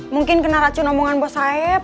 mungkin kena racun omongan bos saib